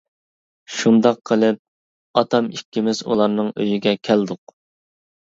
شۇنداق قىلىپ ئاتام ئىككىمىز ئۇلارنىڭ ئۆيىگە كەلدۇق.